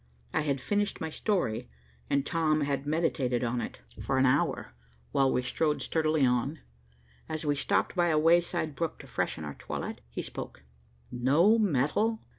I had finished my story, and Tom had meditated on it for an hour, while we strode sturdily on. As we stopped by a wayside brook to freshen our toilet, he spoke. "No metal?"